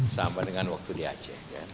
sama dengan waktu di aceh